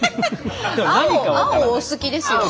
青お好きですよね。